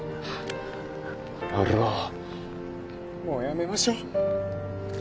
もうやめましょう。